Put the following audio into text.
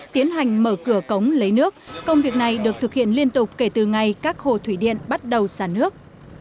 tiến hành mở cửa cống lấy nước công việc này được thực hiện liên tục kể từ ngày các hồ thủy điện bắt đầu sản nước